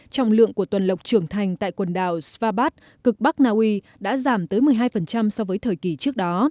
trọng lượng của tuần lộc trưởng thành tại quần đảo svabat cực bắc naui đã giảm tới một mươi hai so với thời kỳ trước đó